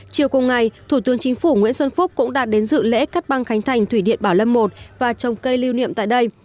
chiều cùng ngày thủ tướng chính phủ nguyễn xuân phúc cũng đã đến dự lễ cắt băng khánh thành thủy điện bảo lâm một và trồng cây lưu niệm tại đây